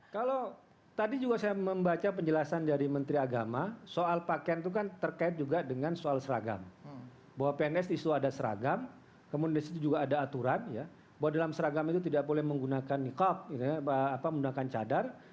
kalau tadi juga saya membaca penjelasan dari menteri agama soal pakaian itu kan terkait juga dengan soal seragam bahwa pns di situ ada seragam kemudian di situ juga ada aturan ya bahwa dalam seragam itu tidak boleh menggunakan nikab menggunakan cadar kemudian ukuran celana yang berlaku itu banyak ukuran yang berlaku